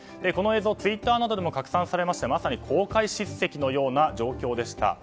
この映像ツイッターなどにも拡散されまして、まさに公開叱責のような状況でした。